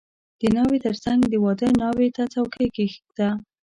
• د ناوې تر څنګ د واده ناوې ته څوکۍ کښېږده.